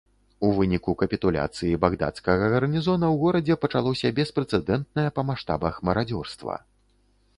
У выніку капітуляцыі багдадскага гарнізона ў горадзе пачалося беспрэцэдэнтнае па маштабах марадзёрства.